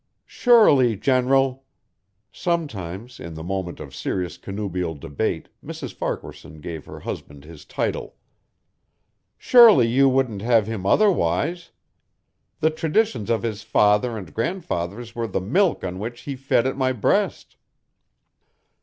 "Surely, General " Sometimes in the moment of serious connubial debate Mrs. Farquaharson gave her husband his title. "Surely you wouldn't have him otherwise. The traditions of his father and grandfathers were the milk on which he fed at my breast."